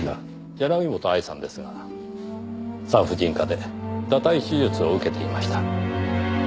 柳本愛さんですが産婦人科で堕胎手術を受けていました。